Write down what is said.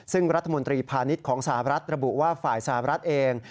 ซึ่งรัฐมนตรีพาณิชย์ของสหรัฐระบุว่าฝ่ายสหรัฐเอง